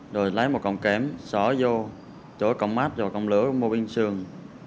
rồi lái một cọng kém sỏ vô chỗ cọng mát và cọng lửa mô binh xương